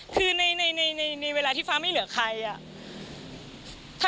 คือในเวลาที่ฟ้าไม่เหลือใครอ่ะ